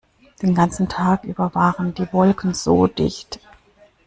Den ganzen Tag über waren die Wolken so dicht.